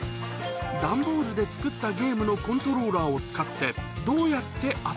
段ボールで作ったゲームのコントローラーを使って、どうやって遊